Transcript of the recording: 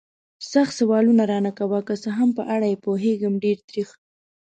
سخت سوالونه را نه کوه. که څه هم په اړه یې پوهېږم، ډېر تریخ.